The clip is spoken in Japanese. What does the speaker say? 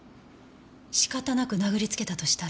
仕方なく殴りつけたとしたら。